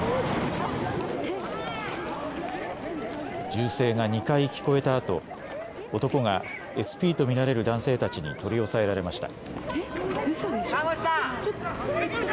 銃声が２回、聞こえたあと男がＳＰと見られる男性たちに取り押さえられました。